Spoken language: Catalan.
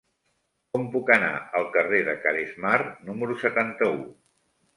Com puc anar al carrer de Caresmar número setanta-u?